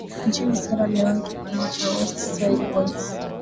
nchini Sierra Leon kikundi cha West Side Boys